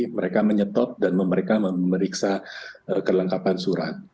mereka menyetop dan mereka memeriksa kelengkapan surat